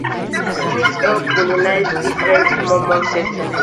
Smith helped colonize different Mormon settlements.